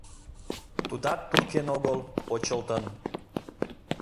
Тудат туркен огыл, почылтын...